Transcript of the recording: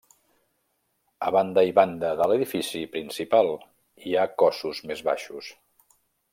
A banda i banda de l'edifici principal hi ha cossos més baixos.